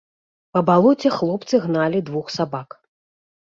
Па балоце хлопцы гналі двух сабак.